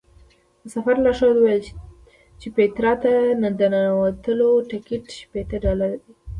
د سفر لارښود وویل چې پیترا ته د ننوتلو ټکټ شپېته ډالره دی.